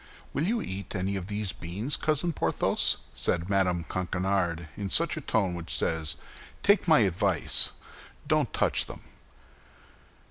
"Will you eat any of these beans, Cousin Porthos?" said Mme. Coquenard, in that tone which says, "Take my advice, don't touch them."